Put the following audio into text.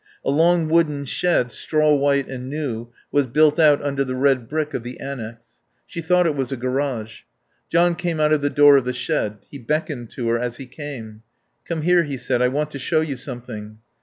A long wooden shed, straw white and new, was built out under the red brick of the annex. She thought it was a garage. John came out of the door of the shed. He beckoned to her as he came. "Come here," he said. "I want to show you something."